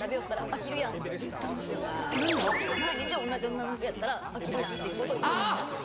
毎日同じ女の人やったら飽きるやんっていうことを言いたかった。